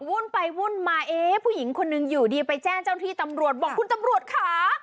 วุ่นไปวุ่นมาเอ๊ะผู้หญิงคนหนึ่งอยู่ดีไปแจ้งเจ้าหน้าที่ตำรวจบอกคุณตำรวจค่ะ